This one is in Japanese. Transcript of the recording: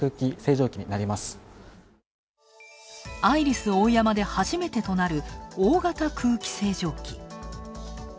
アイリスオーヤマで初めてとなる大型空気清浄機。